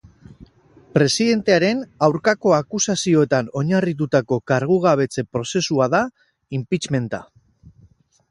Presidentearen aurkako akusazioetan oinarritutako kargugabetze prozesua da impeachmenta.